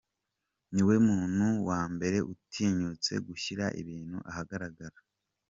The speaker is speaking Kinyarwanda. Niwe muntu wa mbere utinyutse gushyira ibintu ahagaragara.